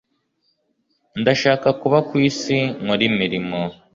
Ndashaka kuba kwisi nkore imirimo